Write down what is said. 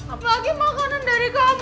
apalagi makanan dari kamu